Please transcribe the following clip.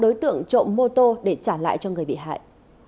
đối tượng trộm mô tô để trả lại cho người bị hại